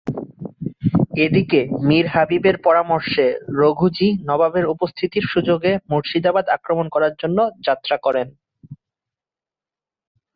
এদিকে মীর হাবিবের পরামর্শে রঘুজী নবাবের অনুপস্থিতির সুযোগে মুর্শিদাবাদ আক্রমণ করার জন্য যাত্রা করেন।